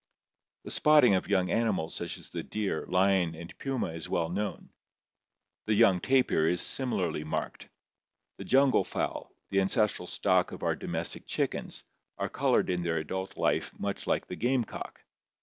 The spotting of young animals such as the deer, lion, and puma is well known. The young tapir is similarly marked. The jungle fowl, the ancestral stock of our domestic chickens, are colored in their adult life much like the game cock.